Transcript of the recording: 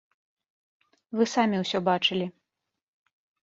Вы самі ўсё бачылі.